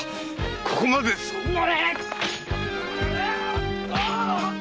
ここまでですぞ。